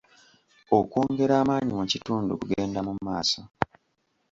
Okwongera amaanyi mu kintu kugenda mu maaso.